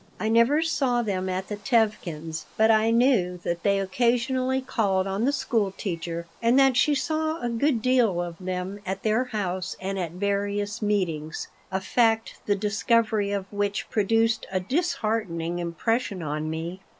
I never saw them at the Tevkins', but I knew that they occasionally called on the school teacher and that she saw a good deal of them at their house and at various meetings, a fact the discovery of which produced a disheartening impression on me.